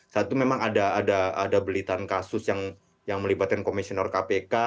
saat itu memang ada belitan kasus yang melibatkan komisioner kpk